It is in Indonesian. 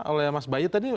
oleh mas bayu tadi